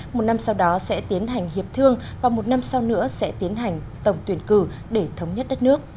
một năm sau đó sẽ tiến hành hiệp thương và một năm sau nữa sẽ tiến hành tổng tuyển cử để thống nhất đất nước